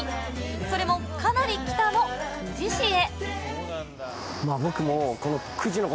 それもかなり北の久慈市へ。